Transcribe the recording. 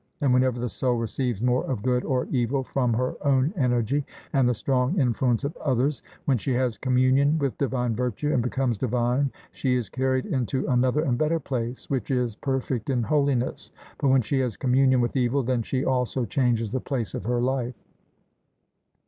And whenever the soul receives more of good or evil from her own energy and the strong influence of others when she has communion with divine virtue and becomes divine, she is carried into another and better place, which is perfect in holiness; but when she has communion with evil, then she also changes the place of her life.